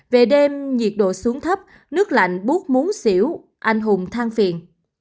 về đêm nhiệt độ xuống thấp nước lạnh bút muốn xỉu anh hùng thang phiền